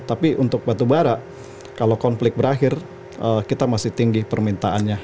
tapi untuk batubara kalau konflik berakhir kita masih tinggi permintaannya